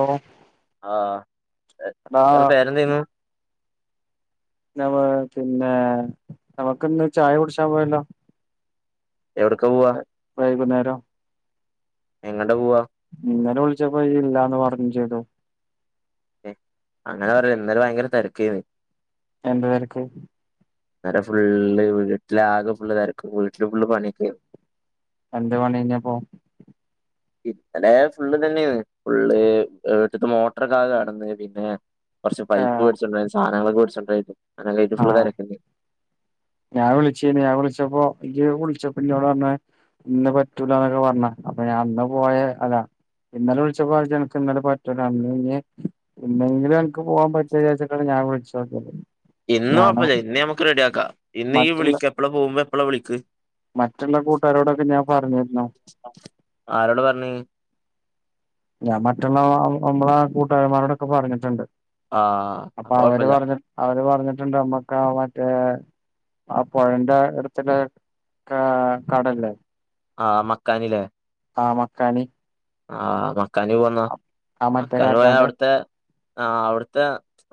ഓഹ് ആഹ് എഹ് ടാ [unintelligible] പിന്നെ നമുക്ക്ന്ന് ചായ കുടിച്ചാൻ പോയല്ലോ എവിടക്ക വൊ എ, വൈകുന്നേരം എങ്ങട്ടാ പോവാ ഇന്നലെ വിളിച്ചപ്പോ യില്ലാന്ന് പറഞ്ഞും ചെയ്തു എഹ് അങ്ങനെ പറ ഇന്നലെ ഭയങ്കര തിരക്കേന് എന്ത് തരക്ക് ഇന്നലെ ഫുള്ള് വീട്ടിലാകെ ഫുള് തര്ക്ക് വീട്ടില് ഫുള് പണിക്കേനി എന്ത് പണിയെഞപ്പോ ഇന്നലെ ഫുള്ള് തന്നെന്ന് ഫുള്ള് ഈട്ട്തെ മോട്ടർക്കാകെടന്ന് പിന്നെ കൊർച്ച് പൈപ്പ് ഏഹ് വേടിചുണ്ട്രാൻ സാനങ്ങളക്കെ മേട്ച്ണ്ട്രാ അങ്ങനെകെയ്ട്ട് ഫുൾ ആഹ് തരക്കല്ലെ ഞാൻ വിളിചീനി ഞാൻ വിളിച്ചപ്പോ ജ്ജ് വിളിച്ചപ്പന്നോടർഞ് ഇന്ന് പറ്റൂലന്നൊക്കെ പറഞ്ഞ അപ്പൊ ഞാൻ അന്ന് പോയെ അതാ ഇന്നലെ വിളിച്ചപ്പോ പറഞ്ഞു ഇജ് അൻക്ക് ഇന്നലെ പറ്റൂല ഇന്ന് ഇഞ്ഞ് ഇന്നെങ്കിലും അൻക്ക് പോവാൻ പറ്റുവിചാരിച്ചിട്ടാണ് ഞാൻ വിളിച്ചോകിയത് ഇന്ന് കൊഴപ്പല്ല ഇന്ന് ഞമ്മക്ക് റെഡിയാക്കാ ഇന്ന് ഇയ്യ് വിളിക്ക് എപ്പളാ പോകുമ്പോ എപ്പളാ വിളിക്ക് മറ്റ്ള്ള കൂട്ടാരോടൊക്കെ ഞാൻ പറഞ്ഞിരുന്നു ആരോട പറഞ്ഞെ ഞാൻ മറ്റുള്ള നമ്മളെ കൂട്ടുകാരമാരോടൊക്കെ പറഞ്ഞിട്ടുണ്ട് ആഹ് അപ്പൊ അവര് കൊഴപ്പല്ല പറഞ്ഞി അവര് പറഞ്ഞിട്ടുണ്ട് അമ്മക്കാ മറ്റേ ആ പൊഴന്റെ എടുത്ത്ള്ളെ കടല്ലേ ആ മക്കാനിലേ ആ മക്കാനി ആഹ് മക്കാനി പോവന്ന ആ മറ്റേ മക്കാനി പോയ കാക്കാന്റെ അവിട്ത്തെ ആ അവിട്ത്തെ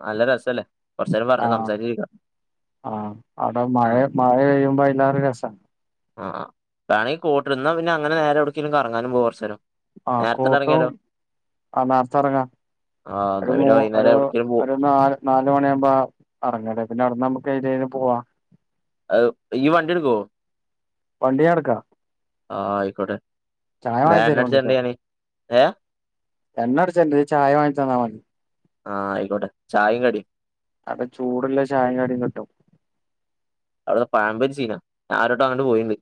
നല്ല രസല്ലേ കൊറച്ചേരം പറഞ്ഞ് ആഹ് സംസാരിച്ചിരിക്കാം ആ അവിടെ മഴ ആഹ് മഴ പെയ്യുമ്പോ അയിലേറെ രസ ആ വേണെങ്കിൽ കോട്ട്ട് ഇന്നാപിന്നെ അങ്ങന്നെ നേരെ എവ്ട്ക്കെകിലും കറങ്ങാനും പോവകൊർചേരം ആഹ് കോട്ടും ആ നേർത്തെ എറങ്ങ ആഹ് ഒരു എന്നാ മൂ പിന്നെ വൈന്നേരം ഒരു എവിടേക്കേലും പോവാ ഒര് നാല് നാല് മണിയാകുമ്പോ അറങ്ങലെ പിന്നെ അവിട്ന്ന് അമ്മക്ക് എയിലെകിലും പോവാ അത് ഇയ്യ് വണ്ടിട്ക്കോ? വണ്ടി ഞാൻ ഇട്ക്ക ആഹ് ആയിക്കോട്ടെ ചായ ഇന്ന വാങ്ങിച്ച് എണ്ണടിച്ച് തരുവോണ്ടിട്ടോ തരണ്ട് ഞാന് ഏ എണ്ണ അടിച്ചണ്ട ഇജ് ചായ വാങ്ങിച്ചെന്നാ മതി ആഹ് ആയിക്കോട്ടെ ചായേം കടീം അവ്ടെ ചൂട്ള്ള ചായിം കടിം കിട്ടും അവ്ട്ത്തെ പയമ്പൊരി സീന ഞാ ഒരട്ടം അങ്ങട്ട് പോയിണ്ട്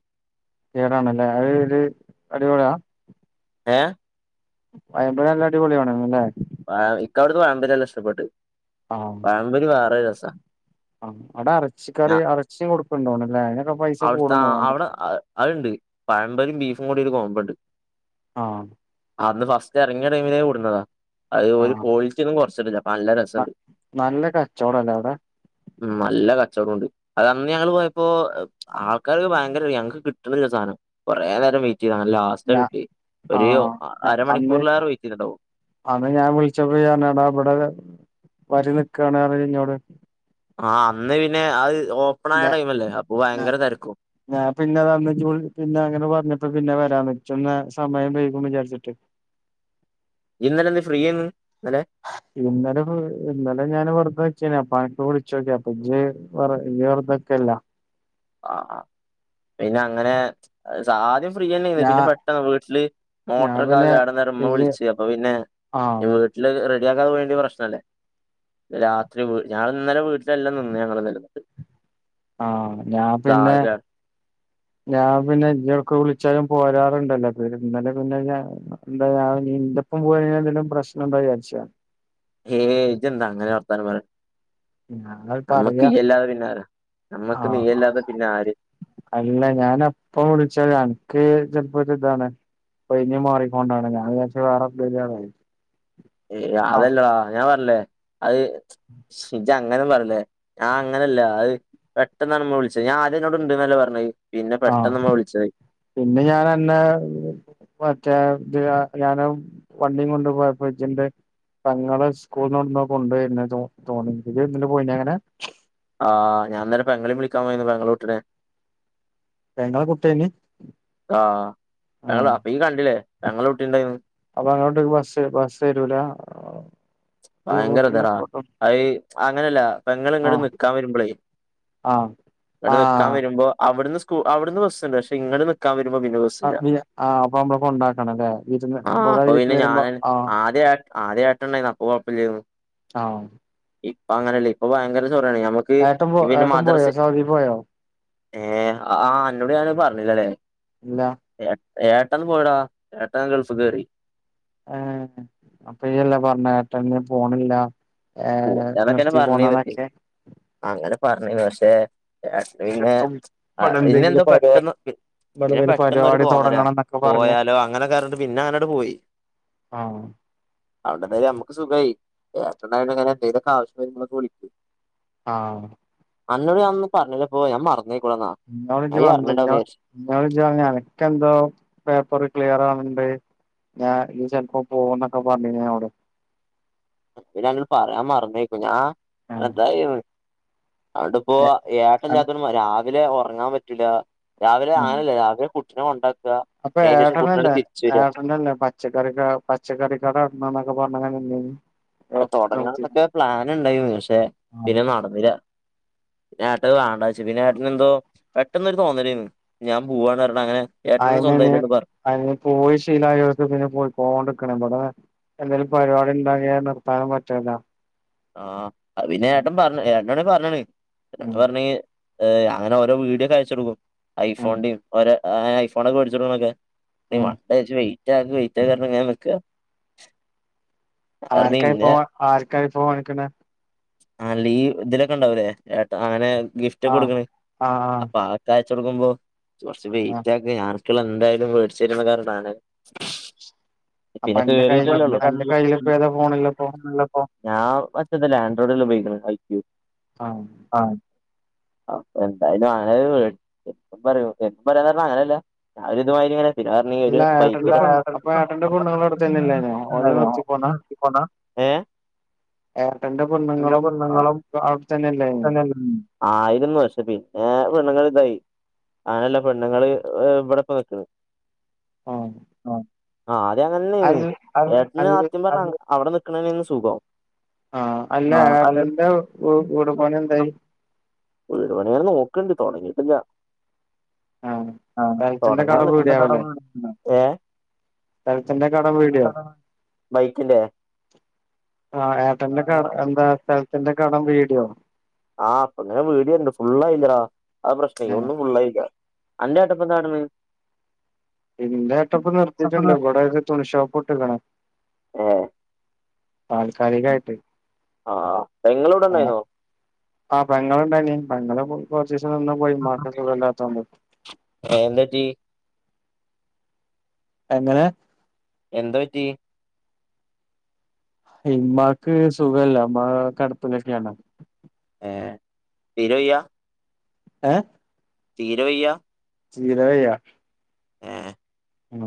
കേറണല്ലേ അത് ഒര് അടിപൊളിയാ ഏ പയംമ്പൊരി നല്ല അടിപൊളിയാണ് ന്ന്ല്ലേ പയം ഇക്ക അവ്ട്ത്തെ പയംമ്പൊരി നല്ല ഇഷ്ടപ്പെട്ട് പയംമ്പൊരി വേറൊര് രെസ ആ അവിടെറച്ചിക്കറി അർച്ചിം കൊട്ക്ക്ണ്ടോണ്ല്ലേ അതിനൊക്കെ പൈസ അവിട്ത്തെ കൂടും ആ തോന്നല്ലേ അവിടെ അത്ണ്ട് പയംമ്പരിം ബീഫും കൂടി ഒരു കോമ്പ ഇണ്ട് ആഹ് അന്ന് ഫസ്റ്റ് എറങ്ങിയ ടൈമിലേ കൊട്ന്നതാ അത് ഓല് ആഹ് ക്വാളിറ്റി ഒന്നും കൊറചിട്ടില്ല ന- നല്ലരസണ്ട്. നല്ല കച്ചവടല്ലേ അവിടെ നല്ല കച്ചോടൊണ്ട് അതന്ന് ഞങ്ങള് പോയപ്പോ ആൾക്കാര് ഭയങ്കര ഞങ്ങക്ക് കി ട്ട്ണില്ല സാനം കൊറേ നേരം വെയിറ്റ് എയ്തു ഇന്നാലും ലാസ്റ്റ് കിട്ടിയെ ഒര് ഒ ല്ല അന്ന് അന്ന് ഞാൻ വിളിച്ചപ്പോ ഇയർഞ്ഞു എടാ ഇബടെ വരി നിക്കാണ് അർഞു ഇന്നോട് ആ അന്ന് പിന്നെ അത് ഓപ്പൺ ആയ ഞാ ടൈമല്ലേ അപ്പൊ ഞാ ഭയങ്കര തെരക്കും ഞാൻ പിന്നെ അതന്ന് ഇജ് പിന്നെ അങ്ങനെ പറഞ്ഞപ്പ പിന്നെ വരാത്ന്നെ ഇച്ചന്ന് സമയം വൈകും വിചാരിച്ചിട്ട് ഇയ്യ് ഇന്നലെ എന്തെ ഫ്രീയേന്നു ഇന്നലെ ഇന്നലെ ഇന്നലെ ഞാന് വെർതെ നിക്കെയ്നു അപ്പൻക്ക് വിളിച്ചോക്കി അപ്പെ ഇജ് വെറ് ഇഞ് വെർതെക്കല്ല ആ ആഹ് പിന്നെ അങ്ങനെ ആദ്യം ഫ്രീയെന്നെന്നു ഞാ പിന്നെ പെട്ടെന്ന് വീട്ടില് ഞാൻ മോട്ട്രോക്കെ ആകെ പിന്നെ കേടന്നർഞ് ഇമ്മ ഇജ് വിളിച്ച് അപ്പൊ പിന്നെ ആഹ് വീട്ടില് റെഡിയാക്കാതെ പോയെങ്കി പ്രശ്നെല്ലേ രാത്രി ഞാ ഇന്നലെ വീട്ടിലെല്ല നിന്നെ ഞങ്ങൾ ഇന്നലെന്നും ആഹ് ഞാൻ പിന്നെ ദാകാണ് ഞാൻ പിന്നെ ഇജെട്ക്ക് വിളിച്ചാലും പോരാറുണ്ടല്ലോ ഇന്നലെ പിന്നെ [unintelligible] ഇന്റപ്പം പോയിക്കാണ്ട് [unintelligible] പ്രശ്നണ്ട വിചാരിച്ചു ഞാ ഹേയ് ഇജെന്താ അങ്ങനെ വർത്താനം പറിന് ഞാനത് പറയാ നമ്മക്ക്യ്യല്ലാതെ പിന്നെ ആരാ? നമ്മക്ക് ആഹ് നീല്ലാതെ പിന്നെ ആര്? അല്ല ഞന് യപ്പ വിളിച്ചല് അൻക്ക് ചല്പ്പോ ഒരു ഇതാണ്. ഒഴിഞ് മാറിക്കൊണ്ടാണ്. ഞാൻ വിചാരിച്ചു വേറെ എന്തേലും ആണ്. ഏ അതല്ലടാ ഞാൻ പറഞ്ഞില്ലേ അയ് ഇജ അങ്ങനും പറല്ലേ? ഞാൻ അങ്ങനെല്ല അത് പെട്ടെന്നാണ് മ്മ വിളിച്ചത്. ഞാൻ ആദ്യന്നോട് ഇണ്ട്ന്നല്ലേ പറഞ്ഞത്. പിന്നെ ആഹ് പെട്ടെന്ന് മ്മ വിളിച്ചത്. പിന്നെ ഞാനന്നേ മറ്റേ ത് ഞാന് വണ്ടി കൊണ്ട് പോയപ്പോ ഇജ്ണ്ട് പെങ്ങളെ സ്കൂള്ന്ന്ട്ന്നോ കൊണ്ട് യ്ര്ണതും തോന്നി. ഇജ്ട് ന്നലെ പോയിനോ യങ്ങനെ? ആഹാ ഞാൻന്നലെ പെങ്ങളീം വിളിക്കാൻപോയിന്നു. പെങ്ങളുട്ടിടെ പെങ്ങളെ കുട്ട്യേന് ആഹ് ഞങ്ങള് അപ്പയി കണ്ടിലെ പെങ്ങള് കുട്ടിണ്ടായിനു. അപ്പ പെങ്ങളട്ടിക് ബസ് ബസ്സ് വരൂലാ? ഭയങ്കരതിടാ അയ് അങ്ങനെല്ല പെങ്ങള് ങ്ങട് ആഹ് നിക്കാൻ വരുമ്പളേ ആഹ് ങ്ങട്ട്നിക്കാൻ ആഹ് വരുമ്പോ അവിടുന്ന് അവിടുന്ന് ബസ്ണ്ട്. പക്ഷെ ഇങ്ങെട് നിക്കാൻ വരുമ്പോ പിന്നെ ബസ് ആപിന്നെ ആ അപ്പൊം ബോ കൊണ്ടാക്കണം ല്ലേ? വിര്ന്ന് കൊറേയീസം വരുമ്പോ ആഹ് ആദ്യം ഏട്ടൻ ണ്ടയിന്നു അപ്പകുഴപ്പല്ലായ്ന്നു. ആഹ് ഇപ്പൊ അങ്ങനെല്ലയ് ഇപ്പോ ഭയങ്കര ചൊറേണ് ഞമ്മക് ഏട്ടം പോ ഏട്ടം പോയോ? സൗദി പോയോ? ഏ ആ അന്നോട് ഞാനത് പറഞ്ഞിലലെ ഇല്ല ഏട്ട ഏട്ടൻ പോയടാ. ഏട്ടൻ ഗൾഫ്ക്കേറി. ഏ അപ്പൊ യെല്ലേ പറഞ്ഞെ ഏട്ടൻ ഞ്പോണില്ലാന്ന്. ഏഹ അതൊക്കെന്നെ നിർത്തി പറഞ്ഞിരുന്നു പോന്നാന്നോക്കെ? അങ്ങനെ പറഞ്ഞിന് പക്ഷെ, ഏട്ടന് പിന്നെ ആഹ് ഇവിടെ എന്തെങ്കിലും പിന്നെന്തോ പരിപാ പെട്ടെന്ന് ഇവിടെ പിന്നെ എന്തെങ്കിലും പെട്ടെന്നൊരു പരിപാടി തോന്നല തുടങ്ങണം എന്നൊക്കെ പറഞ്ഞ് പോയാലോ? അങ്ങനെക്കറ്ഞ്ഞിട്ട് പിന്നെ അനങ്ങട്ട് പോയി. ആഹ് അഓണ്ടന്തായി നമ്മുക്ക് സുഖായി. ഏട്ടണ്ടായൊണ്ട്ങ്ങനെ എന്തേലൊക്കെ ആവശ്യം വരുമ്പലൊകെ വിളിക് ആഹ് അന്നോട് ഞാൻ ഒന്നും പറഞ്ഞിലപോ ഞാൻ മറന്നേക്കുണ്ന്നാ. ഇന്നോട് ജ് പറഞ്ഞില്ലൊ,? ഇന്നോട് ജ് പറഞ്ഞു അണക്കെന്തോ പേപ്പർ ക്ലിയർ ആണ് ണ്ട്. ഞാന് ഞ്ഞി ചെല് പ്പോ പോവുംന്നൊക്കെ പറഞ്ഞിന് ഞൻളോട് പിന്ന ഞാഅന്നോട് പറയാ മറന്നേക്കും. ഞാ അട് ആഹ് ന്തായോ അൻട്പ്പോ ഏ ഏട്ടൻല്ലാത്തുണ്ട് രാവിലെ ഒറങ്ങാൻ പറ്റൂല. രാവിലെ ആനല്ലെ രാവിലെ കുട്ടിനെ കൊണ്ടാക്ക. അപ്പേ ഏട്ടനല്ലേ ഏട്ടന്റെ പ പച്ചക്കറിക പച്ചക്കറികട നട്ത്തണം ന്നക്ക പറഞ്ഞ് ങ്ങനെനിന്നിനു അതൊടങ്ങണംന്നോക്കെ പ്ലാന്ടായിന്നു. പക്ഷെ ആഹ് പിന്നെ നടന്നില്ല. ന്നേ ഏട്ടഅത് വാണ്ട വെച്ചു. പിന്നെ ഏട്ടനെന്തോ പെട്ടെന്നൊരു തോന്നലെയിന്നു ഞാൻ പോവാന്ന് റഞ്ഞ് അങ്ങനെ ഏട്ടന് അയിനെ സ്വന്തമായിട്ടണ്ട് പറഞ്ഞു അയിന് പോയി ശീലയോർക്ക് പിന്നെ പോയികോടിരിക്കണം. ഇവിടെ എന്തേലും പരിപാടിണ്ടായ നിർത്താനും പറ്റൂല. ആ അതിപിന്നെ ഏട്ടൻ പറഞ്ഞ് ഏട്ടനോട് ഞാൻ പറഞ്ഞിന്. ഉം പറഞ്ഞ് ഏ അങ്ങനേ ഓരോ വീഡിയൊകെ അയച്ചോടുക്കും. ഐ ഉം ഫോൺന്റേം ഓര് ഐ ഫോണൊക്കെ വേട്ചോട്ക്ണ്കെ. നി ഉം വണ്ട ജ് വെയിറ്റ് ആക് വെയിറ്റ് ആക് ന്ന്ർഞ്ഞ്ങ്ങനെ നിക്ക ആർക്കാ ഐഫോൺ ആർക്കാ ഐഫോൺ വാങ്ങിക്കുന്നെ? ആ ലീ ഇതിലൊകേണ്ടാവൂലെ ഏട്ട അങ്ങനെ ആഹ് ഗിഫ്റ്റൊക്കെടുക്കണ ആഹ് ആഹ് അപ്പൊ തയാച്ചോടുക്കുമ്പോ കൊറച്ചു ആഹ് വെയിറ്റക് ഞന്ക്ക്ള്ള ന്തയാലും വേട്ച്ചരും ന്നെകെരഞാണ് അപ്പൊ പിന്നെ അന്റെ കയ്യില് കേറീട്ടുള്ളൂ അന്റെ കയ്യിലിപ്പ ഏതാ ഫോണിലിപ്പോ [unintelligible] ഞാൻ മറ്റതുല്ലേ ആൻഡ്രോയിഡല്ലാ ഉപയോഗിക്കണേ [unintelligible] ആഹ് ആഹ് അപ്പെ ന്തായാലും അങ്ങനൊരു പേടി എന്തും പറയും എന്തും പറയാന്നുപറഞ്ഞ അങ്ങനെല്ല ഞാനൊരു ഇതുമായിരി ഇങ്ങനെ വില പറഞ്ഞട്ടണ്ടെങ്കി ഒരു അല്ല ബൈക്ക് ഏട്ടന്റെ പെണ്ണ് അപ്പൊ ഏട്ടന്റെ പെണ്ണുങ്ങളും അവിടെ തന്നെയല്ലേനോ ഓലെ നിർത്തി പോന്നാ [unintelligible] ഏഹ് ഏർട്ടൽന്റെ എന്റെ പെണ്ണുങ്ങളും തന്നെ ആയിരുന്നു പക്ഷെ പിന്നെ പെണ്ണുങ്ങളുണ്ടായി അങ്ങനെല്ല പെണ്ണുങ്ങള് ഇബിടെപ്പൊ [unintelligible] ആഹ് ആഹ് ആ ആദ്യം അൽ അങ്ങനെന്നെർന്ന് ഏട്ടന് അൽ സത്യം പറഞ്ഞ അവടെ നിക്കാണതെന്നർന്നു സുഖം. ആഹ് അന്റെ ആഹ് അല്ല ഏട്ടന്റെ വ്‌ വീടുപണിന്തായി. വീടുപണി ഇങ്ങനെ നോക്ണ്ട് തൊടങ്ങീട്ടില്ല. ആഹ് ആഹ് സ്ഥലത്തിന്റെ തൊടങ്ങാ കടം നിക്കണ്ടെ വീടിയാവല്ലേ [unintelligible] ഏ. സ്ഥലത്തിന്റെ [unintelligible] വൈകില്ലേ ആ ഏട്ടന്റെ ക എന്താ ആഹ് സ്ഥലത്തിന്റെ കടം വീടിയ്യോ ആ ഇപ്പൊങ്ങനെ വീടിവെരുണ് ഫുള്ളായില്ലെടാ ആ പ്രശ്നയ്‌ ഏഹ് ഒന്നും ഫുള്ളായില്ല. അന്റെ ഏട്ടൻ ഇപ്പൊന്താകാട്ട്ണ് ഇന്റെ ഏട്ടപ്പൊ നിർത്തിട്ടിണ്ട് ഇവിടെ ഒരു തുണിഷോപ്പ്ട്ട്ക്ക്‌ണ്. ഏഹ് താൽക്കാലികായിട്ട് ആഹ് പെങ്ങള് ഇവിടെ ഏ ഇണ്ടായിന്നോ ആ പെങ്ങളുണ്ടായിനി പെങ്ങള് കൊറച്ചീസം നിന്നുപോയി ഉമ്മാക് സുഖല്ലാത്തോണ്ട്. ഏ എന്തറ്റി? എങ്ങനെ. എന്ത്പറ്റി? ഇമ്മാക്ക് സുഖല്ല ഇമ്മാ കടപ്പിലന്നെണ്. ഏ തീരേവയ്യ [unintelligible] തീരേവയ്യ തീരെവയ്യ ഏ ഉം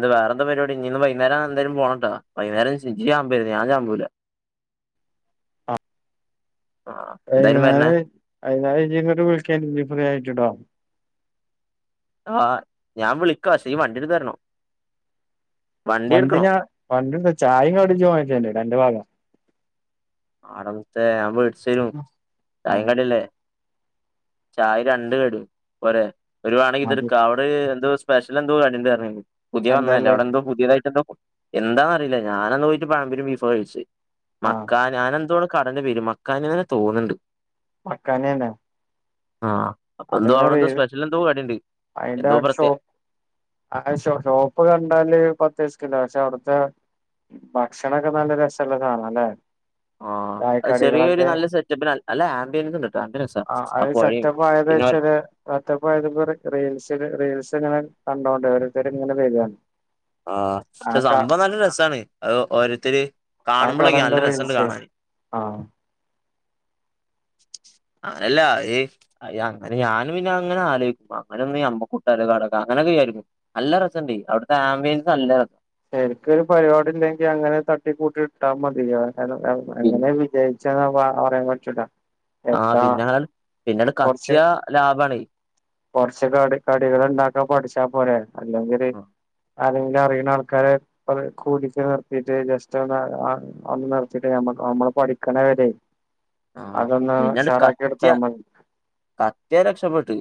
ന്ത് വേറെന്താ പരിപാടി ഇഞ്ഞീഇന്ന് വൈനേരം എങ്ങട്ടീലും പോണണ്ടോ വൈന്നേരം [unintelligible] ഞാൻ ചാബൂല അ ആഹ് എന്തായാലും വരണേ [unintelligible] ഫ്രീ ആയിട്ട് ട്ടോ ആഹ് ഞാൻ വിളിക്കാം ക്ഷേ ഈ വണ്ടിട്ത്ത് തരണം വണ്ടി ഞാൻ വണ്ടിഇണ്ട് ചായി കടി ഇജ്ജ് വാങ്ങി തെരന്റെരും അന്റെ വ ആടമുത്തെ ഞാൻ വേടിച്ചേരും ഉം ചായികടില്ലേ ചായ രണ്ട് കടിം പോരെ ഒരു വടയും ഇതും മതി എടുക്കാ ഹ് എന്തോ സ്പെഷ്യൽ എന്തോ കടിണ്ട് പറഞ്ഞെന്നു പുതിയ വന്നേതല്ലേ എന്താല്ലേ അവിടെ എന്തോ പുതിയതായിട്ട് എന്തോ എന്താന്ന് അറിയില്ല ഞാനന്ന് പോയിട്ട് പഴമ്പോരി ബീഫ് കഴിച്ച് ആഹ് ആ ഞാനന്തോണ് കടന്റെ പെര് മക്കാന് തോന്ന്ണ്ട് മക്കാനെണ് ആഹ് അപ്പ എന്തോ അവിടെ എന്തോ റീൽ സ്പെഷ്യലെന്തോ കടിണ്ട് എന്തോ പ്ര ആശോ ഷോപ്പ് കണ്ടാല് പത്തയ്സക്കില്ല പക്ഷെ അവിടുത്തെ ഭക്ഷണൊക്കെ നല്ല രസള്ള [unintelligible] ആഹ് അത് ചെറിയൊരു ചായക്കടികളൊക്കെ നല്ല സെറ്റപ്പിന് അല്ല ആമ്പിയൻസ് ഇണ്ട്ട്ടോ നല്ലരസാ അ പോഴീ [unintelligible] [unintelligible] റീൽസ് റീൽസ് ഇങ്ങനെ കണ്ടോണ്ട് ഓരോരുത്തരും ഇങ്ങനെ വരിയാണ് ആഹ് പക്ഷെ സംഭവം നല്ല രസണ് അത് ഓരോരുത്തര് ആ കാണുമ്പോളേക്കേ കടന്റെ നല്ല രസണ്ട് റീൽസേ കാണാൻ ആഹ് ആങ്ങനല്ലാ ഏയ് അയ് അങ്ങെനെ ഞാനും പിന്നെങ്ങനെ ആലോചിക്കും അങ്ങനൊന്ന അമ്മക്കൂട്ടാലോ കട അങ്ങനൊക്കെ വിജാരിക്കും നല്ല രസണ്ടേ അവിടുത്തെആംബിയൻസ് നല്ല രസ് എനിക്കൊരു പരിപാടി ഇല്ലെങ്കിൽ അങ്ങനെ തട്ടിക്കൂട്ടി ഇട്ടാ മതിയഅയ് അങ് പി അങ്ങനെ വി ജയിച്ചെന്ന പ പറയാൻ പറ്റൂട്ടോ ആഹ് പിന്നാൽ പിന്നെട് കത്തിയ ലാഭണ് കൊറച്ചോക്കെ അട് കടികൾ ഉണ്ടാക്കാ പഠിച്ചാ പോരെ അല്ലെങ്കില് അല്ലെങ്കിൽ അറീണ ആൾക്കാരെ അത് കൂട്ടിട്ട് വിജയ് ജസ്റ്റ് ഒന്ന്ആൻ ഒന്ന് നിർത്തിട്ട്നമ്മ നമ്മള് പഠിക്കണെ വരെ ആ അതൊന്ന് ഷറാക്കി ഇട്‌താമതി കത്യ രക്ഷപ്പെട്ടു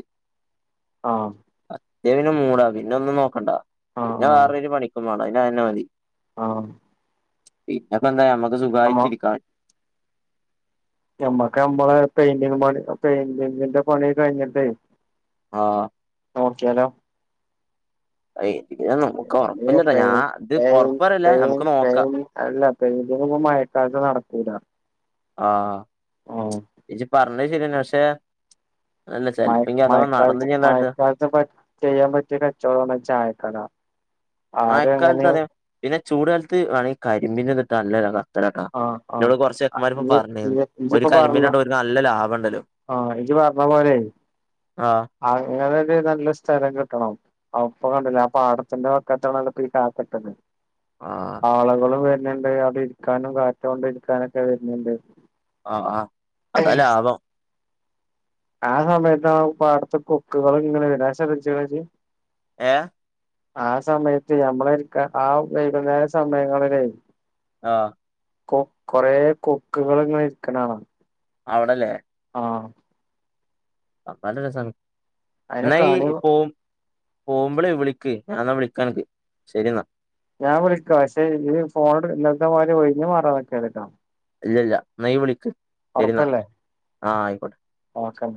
ആഹ് കത്യാപിന്നെ മൂടാ പിന്നെ ഒന്നും നോക്കണ്ട ആഹ് പിന്നെ ആഹ് വേറൊരു പണിക്കുംപോണ്ടപിന്നെ അതന്നെ മതി ആഹ് പിന്നെപ്പ എന്താ നമ്മക്ക് നമ്മ സുഖായിട്ടിരിക്കാം ഞമ്മക്ക് ഞമ്മടെ പെയിന്റി ങ്‌ പണി പെയിന്റിങ്ങിന്റെ പണി കയിഞ്ഞിട്ടേ ആഹ് നോക്കിയാലോ അയ് ഇത് നമുക്ക് അയ്യോ ഉറപ്പില്ലട്ടോ പെയി ഞാൻ ഇത് പെയി ഉറപ്പറല്ല പെയി ഞമക്ക് നോക്കാ പെയി അല്ല പെയ് ന്റിങ് പോ മയക്കാലത്ത് നടക്കൂല ആഹ് ആഹ് ഇജ്ജ് പറഞ്ഞത് ശരിയന്നെ പക്ഷേ അല്ല ചെലപ്പങ്ങി അഥവാ നടന്നഇഞ്ഞി എന്താട്ട ജ്ജ ബഡ് ചെയ്യാ പറ്റിയ കചോടാണ് ചായക്കട ആരും മഴക്കാലത്ത് അങ്ങനെ അതെ പിന്നെ ചൂട്‌ കാലത്ത് വേണെങ്കിൽ കരിമ്പീന്റെത്ട്ടാ നല്ലകത തിരക്കാ ആഹ് ആഹ് ഇന്നോട് കോറച് ചെക്കന്മാര് ഇപ്പ ഇജ് പറഞ്ഞീന്നു ഇജ് ഒര് ഇജിപ്പോ പറഞ്ഞ കരിമ്പിന്റെതോണ്ട് ഒൽക് നല്ല ലാഭം ഇണ്ടല്ലോ ആഹ് ഇജ്ജ് പറഞ്ഞ പോലെയ് ആഹ് അങ്ങനെ ഒരു നല്ല സ്ഥലം കിട്ടണം അപ്പൊ കണ്ടില്ലെ ആ പാടത്തിന്റെ വക്കത്താണ് അതെക്കെയി കാക്ക ഇട്ടത് ആഹ് ആളുകളും വരുന്നുണ്ട് അവിടെ ഇരിക്കാനും കാറ്റൊ കൊണ്ട് ഇരിക്കാനൊക്കെ വരുന്ണ്ട് ആഹ് ആഹ് അത ലാഭം [unintelligible] ആ സമയത്ത് ആ പാടത്തെ കൊക്കുകളും ഇങ്ങനെ വരും അത് ശ്രദ്ധിച്ച്ക്ക്ണോ ജ്ജ് ഏ ആ സമയത്ത് നമ്മളരിക്ക ആ വൈകുന്നേര സമയങ്ങളിലേ ആഹ് കൊ കൊറ കൊക്കുകൾ ഇങ്ങെ ഇരിക്കണാണ് അവിടല്ലേ ആഹ് അത് നല്ല രസമാണ് അയിനെ എന്നായി കാണി പ്പോ പോമ്പോളേ വിളക്ക് ഞാൻന്നാ വിളിക്കാനക്ക് ശരി എന്നാ ഞാൻ വിളിക്കാം പക്ഷെ ഈ ഇത് ഫോൺ എടു ഇല്ലത്തെ മാതിരി ഒഴിഞ്ഞ് മാറാനിക്കല്ലേട്ടോ ഇല്ല ഇല്ല നീ വിളിക്ക് ശരിയെന്നാ ഒറപ്പല്ലേ ആഹ് ആയിക്കോട്ടെ ഓക്കെ